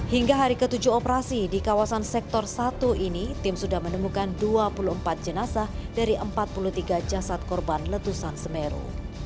hingga hari ke tujuh operasi di kawasan sektor satu ini tim sudah menemukan dua puluh empat jenazah dari empat puluh tiga jasad korban letusan semeru